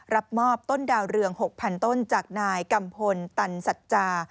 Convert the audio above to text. รับมอบต้นดาวเรือง๖๐๐ต้นจากนายกัมพลตันสัจจา